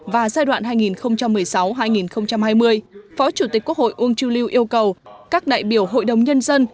và giai đoạn hai nghìn một mươi sáu hai nghìn hai mươi phó chủ tịch quốc hội uông chu lưu yêu cầu các đại biểu hội đồng nhân dân